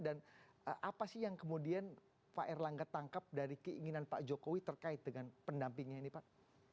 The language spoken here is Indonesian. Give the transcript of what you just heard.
dan apa sih yang kemudian pak erlangga tangkap dari keinginan pak jokowi terkait dengan pendampingnya ini pak